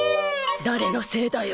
誰のせいだよ！